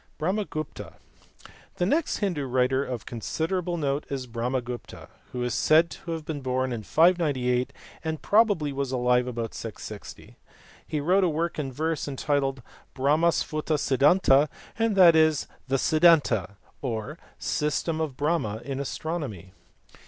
Brahmagupta. The next Hindoo writer of considerable note is Brahmagupta, who is said to have been born in 598 and probably was alive about 660. He wrote a work in verse entitled Brahma Sphuta Siddhanta, that is, the Riddhanta or system of Brahma in astronomy.